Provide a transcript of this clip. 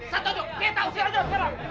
satu jok kita usir aja